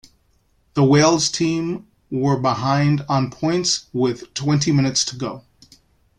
The Wales team were behind on points with twenty minutes to go.